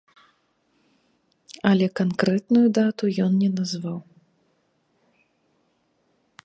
Але канкрэтную дату ён не назваў.